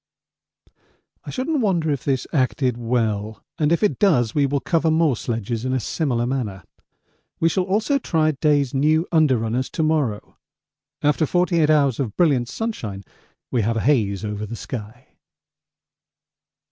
I shouldn't wonder if this acted well, and if it does we will cover more sledges in a similar manner. We shall also try Day's new under runners to morrow. After 48 hours of brilliant sunshine we have a haze over the sky.